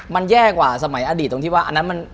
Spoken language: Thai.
มันแย่กว่าสมัยอดีตตรงที่ว่าอันนั้นมัน